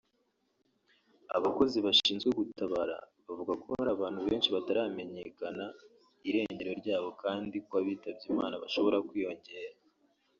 Abakozi bashinzwe gutabara bavuga ko hari abantu benshi bataramenyekana irengero ryabo kandi ko abitabye Imana bashobora kwiyongera